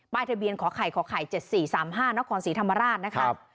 ทะเบียนขอไข่ขอไข่๗๔๓๕นครศรีธรรมราชนะครับ